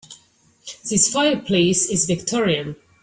This fireplace is victorian.